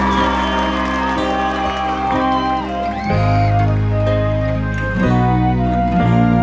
ขอบคุณครับ